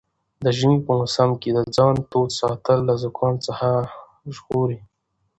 د ژمي په موسم کې د ځان تود ساتل له زکام څخه مو ژغوري.